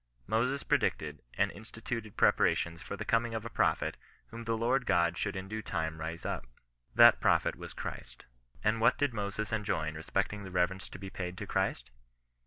Moses predicted, and instituted preparations for the coming of a Prophet whom the Lord God should in due time raise up. That Prophet was Christ. And what did Moses enjoin respecting the reverence to be paid to Christ